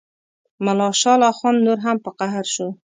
ملا شال اخند نور هم په قهر شو.